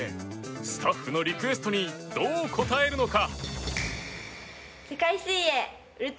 スタッフのリクエストにどう応えるのか。